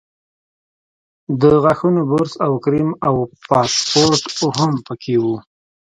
د غاښونو برس او کریم او پاسپورټ هم په کې وو.